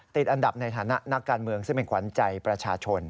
ติดอันดับในฐานะนักการเมืองซึ่งเป็นขวัญใจประชาชน